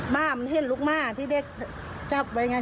บ้านมันเห็นลูกม่าที่เด็กจับไว้ไง